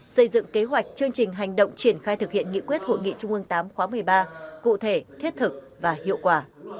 xây dựng kế hoạch chương trình hành động triển khai thực hiện nghị quyết hội nghị trung ương viii khóa một mươi ba cụ thể thiết thực và hiệu quả